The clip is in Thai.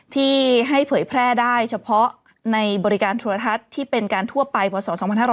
ที่ให้เผยแพร่ได้เฉพาะในบริการโทรทัศน์ที่เป็นการทั่วไปพศ๒๕๕๙